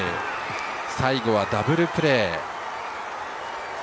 最後はダブルプレー。